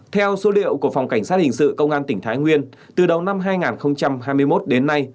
theo số liệu của phòng cảnh sát hình sự công an tỉnh thái nguyên từ đầu năm hai nghìn hai mươi một đến nay